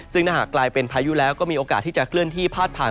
ซึ่งถ้าหากกลายเป็นพายุแล้วก็มีโอกาสที่จะเคลื่อนที่พาดผ่าน